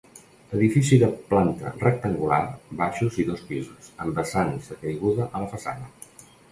Edifici de planta rectangular, baixos i dos pisos, amb vessants de caiguda a la façana.